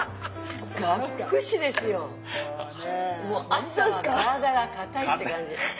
朝は体が硬いって感じ。